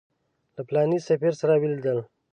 له فلاني سفیر سره ولیدل.